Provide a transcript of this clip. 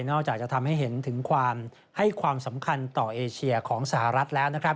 อกจากจะทำให้เห็นถึงความให้ความสำคัญต่อเอเชียของสหรัฐแล้วนะครับ